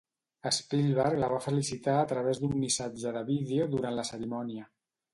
Spielberg la va felicitar a través d'un missatge de vídeo durant la cerimònia.